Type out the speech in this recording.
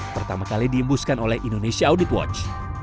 pertama kali diembuskan oleh indonesia audit watch